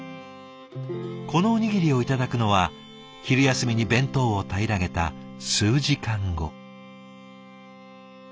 このおにぎりをいただくのは昼休みに弁当を平らげた数時間後。